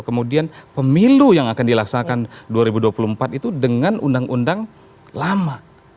kemudian pemilu yang akan dilaksanakan dua ribu dua puluh empat itu dengan undang undang lama